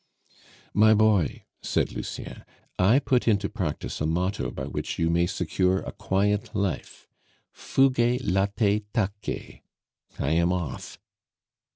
'" "My boy," said Lucien, "I put into practice a motto by which you may secure a quiet life: Fuge, late, tace. I am off."